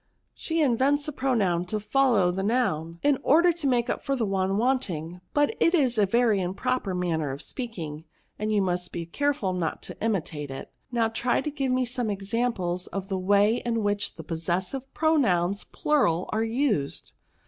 '* She invents a pronoim to follow the Q 170 PRONOUNS. noun^ in order to make up for the one want ing; but it is a very improper manner of speaking, and you must be careful not to imitate it. Now, try to give me some exam ples of the way in which the possessive pro nouns plural are used?"